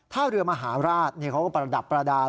ท่าเรือมหาราชเขาก็ประดับประดาน